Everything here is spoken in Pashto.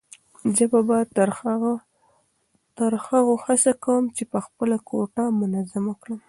زه به تر هغو هڅه کوم چې خپله کوټه منظمه کړم.